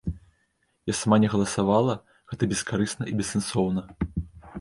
Я сама не галасавала, гэта бескарысна і бессэнсоўна.